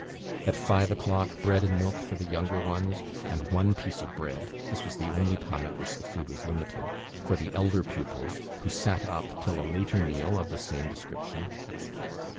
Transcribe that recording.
At five o'clock, bread and milk for the younger ones; and one piece of bread (this was the only time at which the food was limited) for the elder pupils, who sat up till a later meal of the same description.